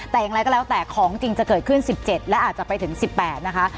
แต่อย่างไรก็แล้วแต่ของจริงจะเกิดขึ้น๑๗และอาจจะไปถึง๑๘นะคะ